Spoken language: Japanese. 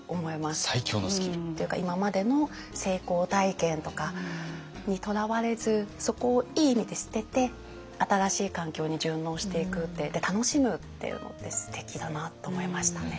今までの成功体験とかにとらわれずそこをいい意味で捨てて新しい環境に順応していくって楽しむっていうのってすてきだなと思いましたね。